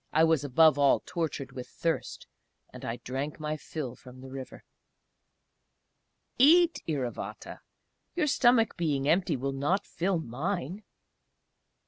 I was above all tortured with thirst, and I drank my fill from the river. "Eat", Iravata "your stomach being empty will not fill mine!"